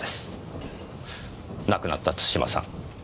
亡くなった津島さん。